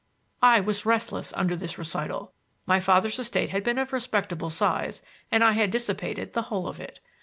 I was restless under this recital. My father's estate had been of respectable size, and I had dissipated the whole of it.